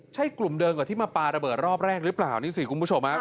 ใช่กลุ่มเดิมกับที่มาปลาระเบิดรอบแรกหรือเปล่านี่สิคุณผู้ชม